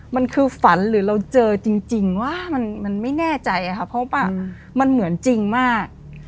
มันคือฝันหรือเราเจอจริงว่ามันไม่แน่ใจค่ะเพราะว่ามันเหมือนจริงมาก